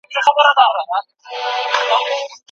رسول الله صلی الله علیه وسلم په دې اړه لارښوونه کړي ده.